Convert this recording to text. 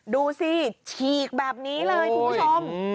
ดูสิฉีกแบบนี้เลยคุณผู้ชม